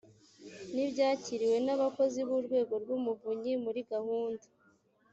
n ibyakiriwe n abakozi b urwego rw umuvunyi muri gahunda